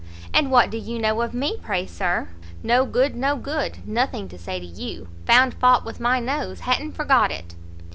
"And what do you know of me, pray Sir?" "No good, no good; nothing to say to you; found fault with my nose! ha'n't forgot it."